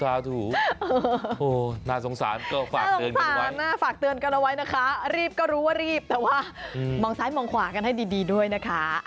โอ้โหน่าสงสารก็ฝากเตือนกันไว้ฝากเตือนกันเอาไว้นะคะรีบก็รู้ว่ารีบแต่ว่ามองซ้ายมองขวากันให้ดีด้วยนะคะ